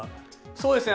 そうですね。